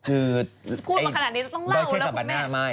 คือพูดมาขนาดนี้จะต้องเล่าแล้วคุณแม่